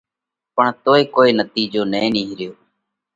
پڻ توئي ڪوئي نتِيجو نہ نِيهريو۔